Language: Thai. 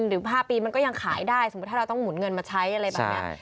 หรือ๕ปีมันก็ยังขายได้สมมุติถ้าเราต้องหมุนเงินมาใช้อะไรแบบนี้